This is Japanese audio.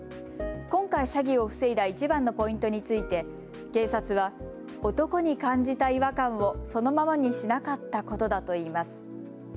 今回、詐欺を防いだいちばんのポイントについて警察は、男に感じた違和感をそのままにしなかったことだと言います。